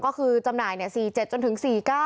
ก็คือจำหน่าย๔๗จนถึง๔๙